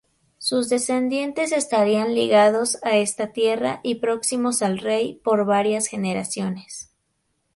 Sus descendientes estarían ligados a esta tierra y próximos al rey por varias generaciones.